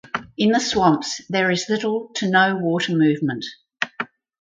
In the swamps there is little to no water movement.